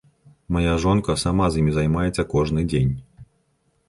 Мая жонка сама з імі займаецца кожны дзень.